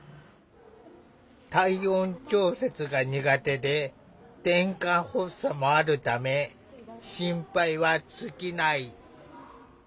体温調節が苦手でてんかん発作もあるため心配は尽きない。